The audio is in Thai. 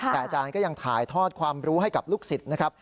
แต่อาจารย์ก็ยังถ่ายทอดความรู้ให้กับลูกศิษย์นะครับ